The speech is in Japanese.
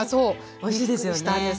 おいしいですよね。